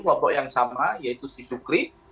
kelompok yang sama yaitu sisukri